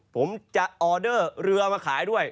ผมจะออเดอร์เรือมาขายด้วย